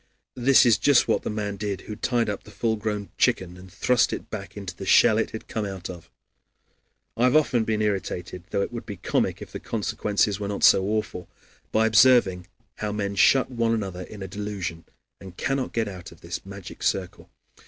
This is just what the man did who tied up the full grown chicken and thrust it back into the shell it had come out of. I have often been irritated, though it would be comic if the consequences were not so awful, by observing how men shut one another in a delusion and cannot get out of this magic circle.